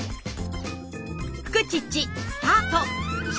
「フクチッチ」スタート！